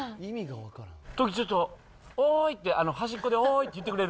トキ、ちょっと、おーいって、端っこで、おーいって言ってくれる？